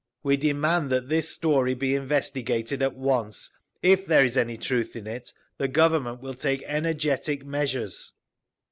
We demand that this story be investigated, at once; if there is any truth in it, the Government will take energetic measures!"